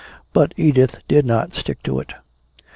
But Edith did not stick to it.